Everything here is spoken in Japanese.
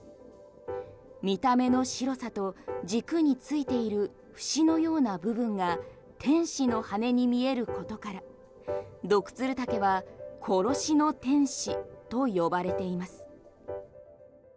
見た目の白さと軸についている節のような部分が天使の羽に見えることから、ドクツルタケは殺しの天使と呼ばれています。